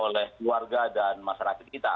oleh keluarga dan masyarakat kita